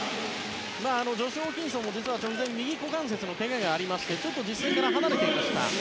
ジョシュ・ホーキンソンも実は直前に右股関節のけががありましてちょっと実戦から離れていました。